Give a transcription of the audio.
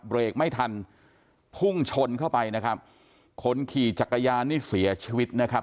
เบรกไม่ทันพุ่งชนเข้าไปนะครับคนขี่จักรยานนี่เสียชีวิตนะครับ